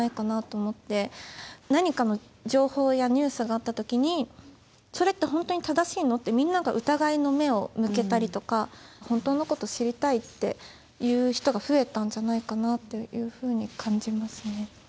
何かの情報やニュースがあった時にそれって本当に正しいの？ってみんなが疑いの目を向けたりとか本当のこと知りたいっていう人が増えたんじゃないかなっていうふうに感じますね。